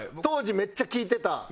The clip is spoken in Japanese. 当時めっちゃ聴いてた。